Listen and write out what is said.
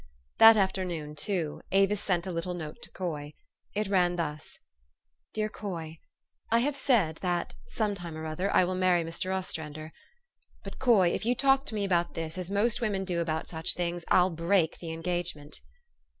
" That afternoon, too, Avis sent a little note to Coy. It ran thus :" DEAR COY, I have said, that, sometime or other, I will marry Mr. Ostrander. But, Coy, if you talk to me about this as most women do about such things, I'll break the engagement.